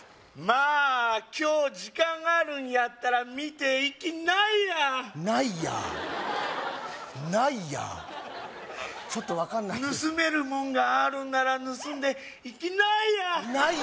まあ今日時間あるんやったら見ていきないやーないやーないやーちょっと分かんない盗めるもんがあるなら盗んでいきないやーな